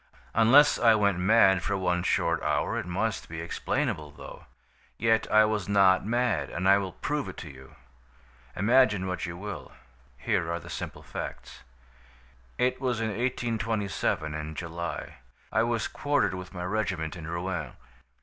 Unless I went mad for one short hour it must be explainable, though. Yet I was not mad, and I will prove it to you. Imagine what you will. Here are the simple facts: "It was in 1827, in July. I was quartered with my regiment in Rouen.